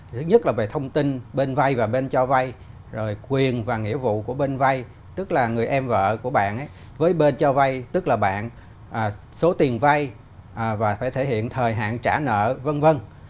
thứ nhất là về thông tin bên vây và bên cho vây rồi quyền và nghĩa vụ của bên vây tức là người em vợ của bạn với bên cho vây tức là bạn số tiền vây và phải thể hiện thời hạn trả nợ v v